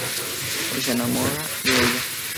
Y se enamora de ella.